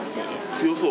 ・強そう？